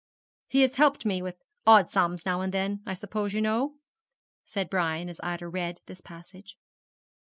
'He has helped me with odd sums now and then, I suppose you know?' said Brian, as Ida read this passage.